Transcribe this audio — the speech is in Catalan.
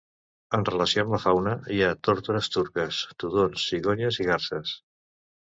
En relació amb la fauna, hi ha tórtores turques, tudons, cigonyes i garses.